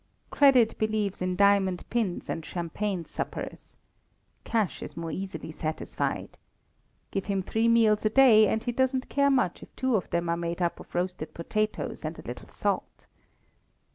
Credit believes in diamond pins and champagne suppers. Cash is more easily satisfied. Give him three meals a day, and he doesn't care much if two of them are made up of roasted potatoes and a little salt.